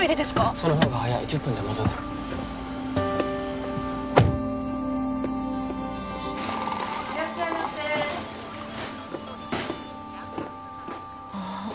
その方が早い１０分で戻る・いらっしゃいませあっ